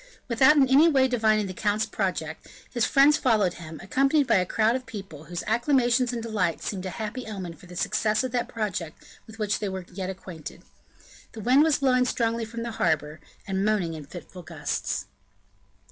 Without in any way divining the count's project, his friends followed him, accompanied by a crowd of people, whose acclamations and delight seemed a happy omen for the success of that project with which they were yet unacquainted. The wind was blowing strongly from the harbor, and moaning in fitful gusts.